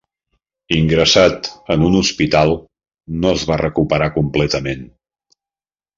Ingressat en un hospital, no es va recuperar completament.